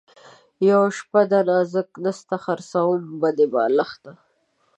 یوه شپه ده نازک نسته ـ خرڅوم به دې بالښته